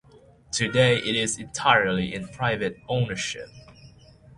Today it is entirely in private ownership.